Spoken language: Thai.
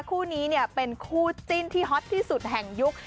คู่นี้เนี่ยเป็นคู่จิ้นที่ฮอตที่สุดแห่งยุค